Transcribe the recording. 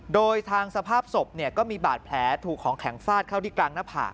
โดยทางสภาพศพก็มีบาดแผลถูกของแข็งฟาดเข้าที่กลางหน้าผาก